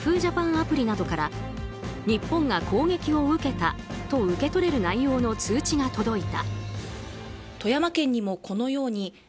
アプリなどから日本が攻撃を受けたと受け取れる内容の通知が届いた。